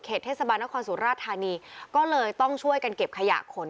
เทศบาลนครสุราธานีก็เลยต้องช่วยกันเก็บขยะขน